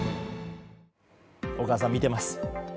お母さん、見てます。